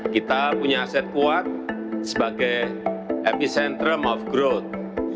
kita punya aset kuat sebagai epicentrum of growth